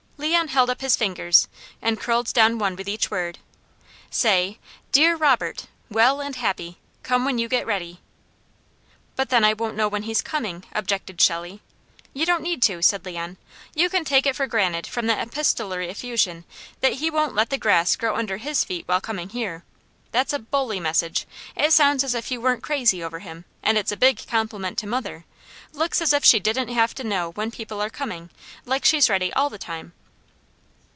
Leon held up his fingers and curled down one with each word. "Say, 'Dear Robert. Well and happy. Come when you get ready.'" "But then I won't know when he's coming," objected Shelley. "You don't need to," said Leon. "You can take it for granted from that epistolary effusion that he won't let the grass grow under his feet while coming here. That's a bully message! It sounds as if you weren't crazy over him, and it's a big compliment to mother. Looks as if she didn't have to know when people are coming like she's ready all the time."